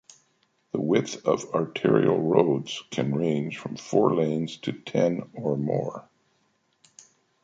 The width of arterial roads can range from four lanes to ten or more.